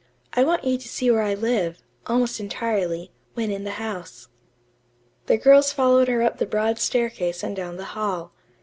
I want you to see where I live, almost entirely, when in the house." The girls followed her up the broad staircase and down the hall.